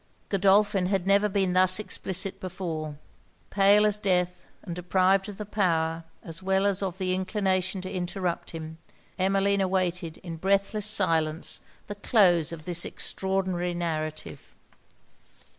Godolphin had never been thus explicit before. Pale as death, and deprived of the power as well as of the inclination to interrupt him, Emmeline awaited, in breathless silence, the close of this extraordinary narrative.